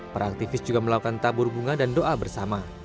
para aktivis juga melakukan tabur bunga dan doa bersama